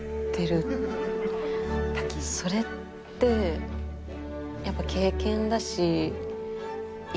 それってやっぱり経験だし生かせる。